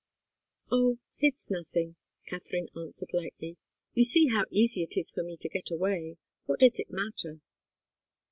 "Oh it's nothing!" Katharine answered, lightly. "You see how easy it is for me to get away. What does it matter?"